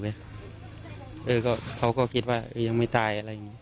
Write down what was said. เก๊ก็ตอนนั้นเขาก็กลับบอกว่ายังไม่ตาย